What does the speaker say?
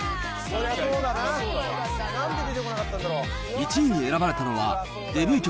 １位に選ばれたのは、デビュー曲、